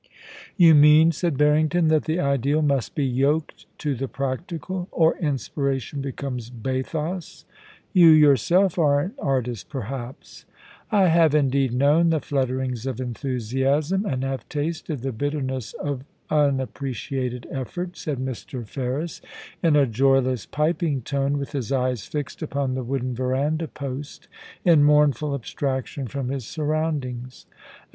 'You mean,' said Harrington, *that the ideal must be yoked to the practical, or inspiration becomes bathos. You yourself are an artist, perhaps ?'* I have indeed known the flutterings of enthusiasm, and have tasted the bitterness of unappreciated effort,' said Mr. Ferris, in a joyless, piping tone, with his eyes fixed upon the wooden verandah post in mournful abstraction from his surroundings.